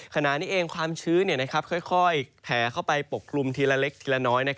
ขณะนี้เองความชื้นค่อยแผลเข้าไปปกกลุ่มทีละเล็กทีละน้อย